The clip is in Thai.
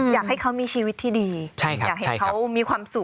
อยากให้เขามีชีวิตที่ดี